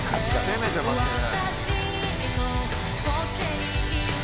攻めてますね。